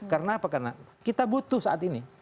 karena apa karena kita butuh saat ini